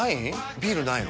ビールないの？